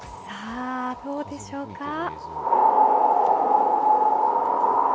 さぁ、どうでしょうか。